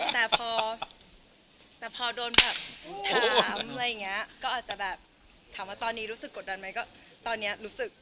แต่พอแต่พอโดนแบบถามอะไรอย่างนี้ก็อาจจะแบบถามว่าตอนนี้รู้สึกกดดันไหมก็ตอนนี้รู้สึก